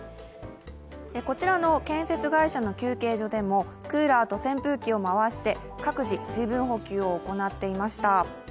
こちらの建設会社の休憩所でもクーラーと扇風機を回して、各自水分補給を行っていました。